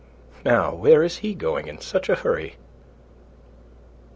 "Now where is he going in such a hurry?"